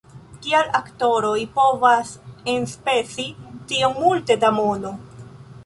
"Kial aktoroj povas enspezi tiom multe da mono!